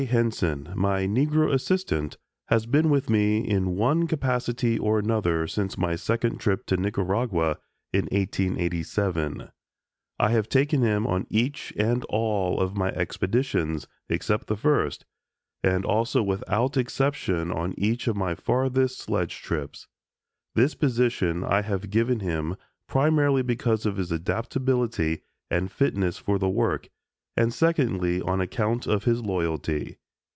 Henson, my Negro assistant, has been with me in one capacity or another since my second trip to Nicaragua in 1887. I have taken him on each and all of my expeditions, except the first, and also without exception on each of my farthest sledge trips. This position I have given him primarily because of his adaptability and fitness for the work and secondly on account of his loyalty.